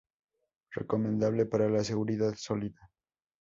Recomendable para la seguridad sólida.